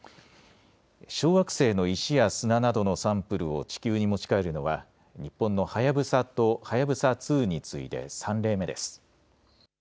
小惑星の石や砂などのサンプルを地球に持ち帰るのは日本のはやぶさとはやぶさ２に次いで３例目です。